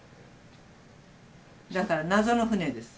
だから謎の船です。